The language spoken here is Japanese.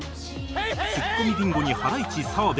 ツッコミビンゴにハライチ澤部